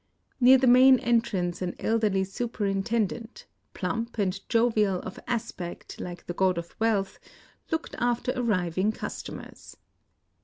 Near the main entrance an elderly superintendent, plump and jovial of aspect like the God of Wealth, looked after arriving customers.